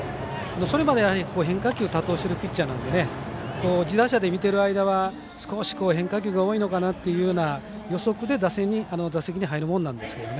それまでは変化球多投しているピッチャーなんで打者で見ている間は少し変化球が多いのかなという予測で打席に入るもんなんですけどね。